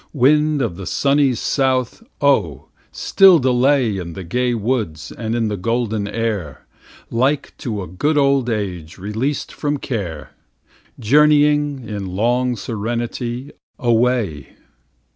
Wind of the sunny south! oh, still delay In the gay woods and in the golden air, Like to a good old age released from care, Journeying, in long serenity, away.